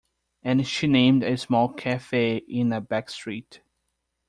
And she named a small cafe in a back street.